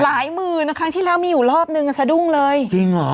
หมื่นนะครั้งที่แล้วมีอยู่รอบนึงอ่ะสะดุ้งเลยจริงเหรอ